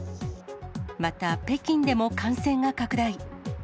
また北京でも感染が拡大。